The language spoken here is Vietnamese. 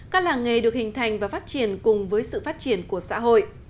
các làng nghề được hình thành và phát triển cùng với sự phát triển của xã hội